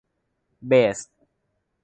เบส